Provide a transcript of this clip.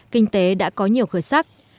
kinh tế đã có nhiều khởi sắc